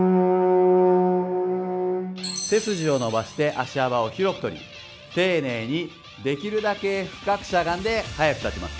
背筋を伸ばして足幅を広くとり丁寧にできるだけ深くしゃがんで速く立ちます。